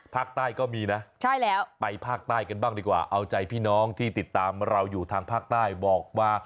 ภาคใต้ก็มีนะใช่แล้วไปภาคใต้กันบ้างดีกว่าเอาใจพี่น้องที่ติดตามเราอยู่ทางภาคใต้บอกมา